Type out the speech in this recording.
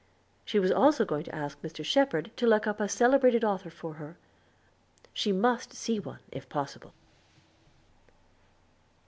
She was also going to ask Mr. Shepherd to look up a celebrated author for her. She must see one if possible.